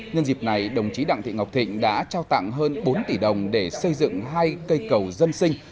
nhân dịp này đồng chí đặng thị ngọc thịnh đã trao tặng hơn bốn tỷ đồng để xây dựng hai cây cầu dân sinh